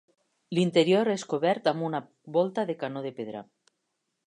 L'interior és cobert amb una volta de canó de pedra.